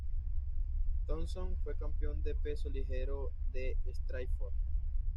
Thomson fue campeón de peso ligero de Strikeforce.